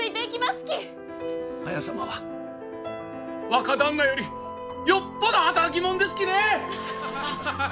綾様は若旦那よりよっぽど働き者ですきね！